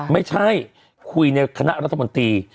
ไม่ใช่คุยในคณะรัฐมนตรี